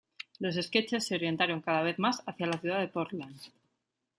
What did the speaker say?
Los sketches se orientaron cada vez más hacia la ciudad de Portland.